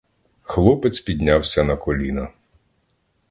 Хлопець піднявся на коліна.